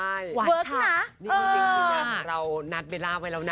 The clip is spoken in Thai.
นี่จริงกับเรานัดเบลล่าไว้แล้วนะ